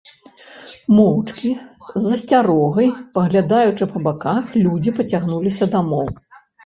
Моўчкі, з асцярогай паглядаючы па баках, людзі пацягнуліся дамоў.